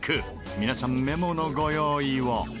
皆さんメモのご用意を。